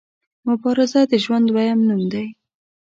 مبارزه د ژوند دویم نوم دی.